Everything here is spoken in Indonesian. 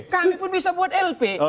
kami pun bisa buat lp